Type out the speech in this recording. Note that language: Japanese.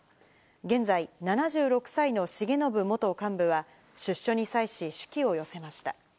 現在、７６歳の重信元幹部は出所に際し、手記を寄せました。